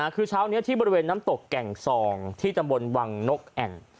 คือเช้านี้ที่บริเวณน้ำตกแก่งซองที่ตำบลวังนกแอ่น